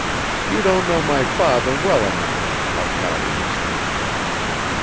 "You don't know my father well enough," Arkady was saying.